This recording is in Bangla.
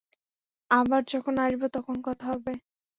আবার যখন আসব, তখন কথা হবে।